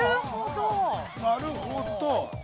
◆なるほど。